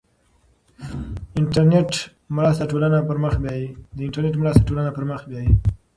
د انټرنیټ مرسته ټولنه پرمخ بیايي.